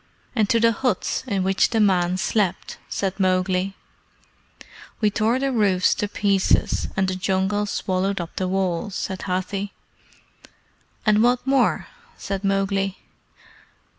"And to the huts in which the men slept?" said Mowgli. "We tore the roofs to pieces, and the Jungle swallowed up the walls," said Hathi. "And what more?" said Mowgli.